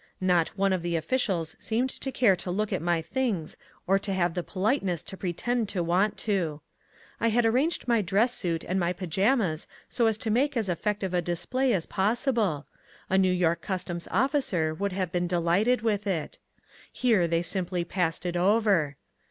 Not one of the officials seemed to care to look at my things or to have the politeness to pretend to want to. I had arranged my dress suit and my pyjamas so as to make as effective a display as possible: a New York customs officer would have been delighted with it. Here they simply passed it over.